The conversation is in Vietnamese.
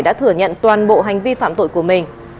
đã thừa nhận toàn bộ hành vi phạm tội của mình